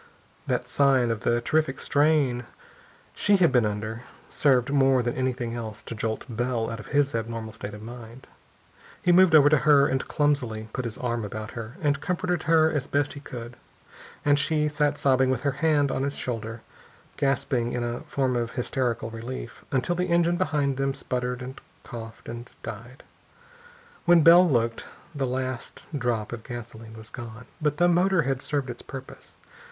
That sign of the terrific strain she had been under served more than anything else to jolt Bell out of his abnormal state of mind. He moved over to her and clumsily put his arm about her, and comforted her as best he could. And she sat sobbing with her head on his shoulder, gasping in a form of hysterical relief, until the engine behind them sputtered, and coughed, and died. When Bell looked, the last drop of gasoline was gone. But the motor had served its purpose.